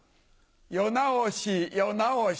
世直し世直し。